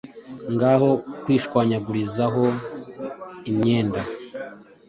ngaho kwishwanyagurizaho imyenda,